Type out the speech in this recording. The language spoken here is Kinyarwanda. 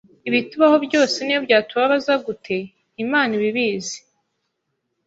ibitubaho byose n’iyo byatubabaza gute? Imana iba ibizi